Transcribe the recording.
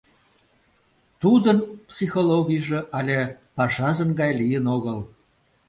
Тудын психологийже але пашазын гай лийын огыл.